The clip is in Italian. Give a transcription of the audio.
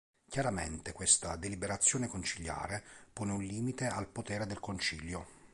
Chiaramente, questa deliberazione conciliare pone un limite al potere del concilio.